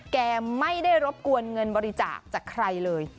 แกไม่ได้รบกวนเงินบริจาคจากใครเลย